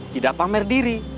tidak pamer diri